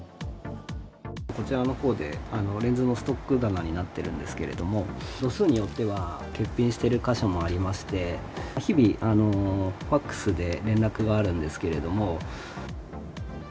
こちらのほうで、レンズのストック棚になっているんですけれども、度数によっては欠品している箇所もありまして、日々、ファックスで連絡があるんですけれども。